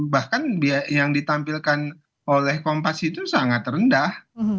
bahkan yang ditampilkan oleh kompas itu sangat rendah